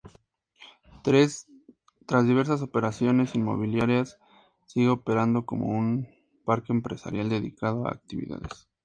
Tras diversas operaciones inmobiliarias, sigue operando como un parque empresarial dedicado a actividades científicas.